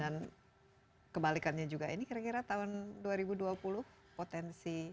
dan kebalikannya juga ini kira kira tahun dua ribu dua puluh potensi